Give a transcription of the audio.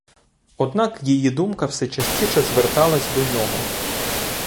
Однак її думка все частіше зверталась до нього.